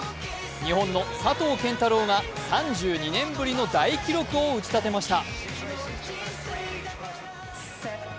日本の佐藤拳太郎が３２年ぶりの大記録を打ち立てました。